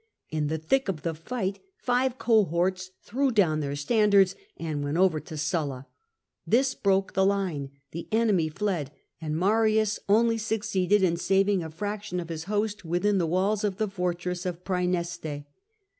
In the thick of the fight five cohorts threw down their standards and went over to Sulla: this broke the line, the enemy fled, and Marius only succeeded in saving a fraction of his host within the walls of the fortress of Praeneste.